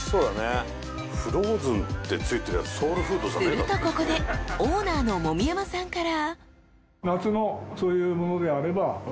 ［するとここでオーナーの籾山さんから］